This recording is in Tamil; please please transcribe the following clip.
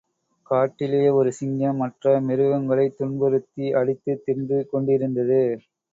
காட்டிலே ஒரு சிங்கம் மற்ற மிருகங்களைத் துன்புறுத்தி அடித்துத் தின்று கொண்டிருந்தது.